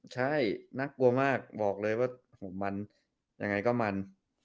ใช่น่ากลัวมากบอกเลยว่ามันยังไงก็มัน